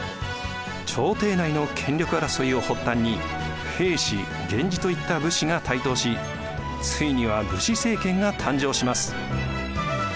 朝廷内の権力争いを発端に平氏源氏といった武士が台頭しついには武士政権が誕生します。